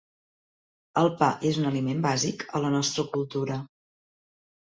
El pa és un aliment bàsic a la nostra cultura.